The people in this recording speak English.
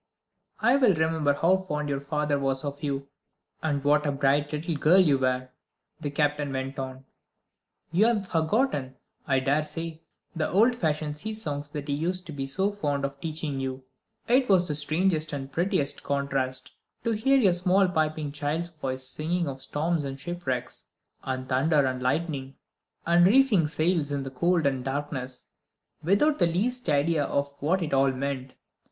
"I well remember how fond your father was of you, and what a bright little girl you were," the Captain went on. "You have forgotten, I dare say, the old fashioned sea songs that he used to be so fond of teaching you. It was the strangest and prettiest contrast, to hear your small piping child's voice singing of storms and shipwrecks, and thunder and lightning, and reefing sails in cold and darkness, without the least idea of what it all meant.